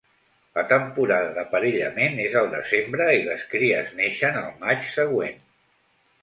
La temporada d'aparellament és al desembre i les cries neixen al maig següent.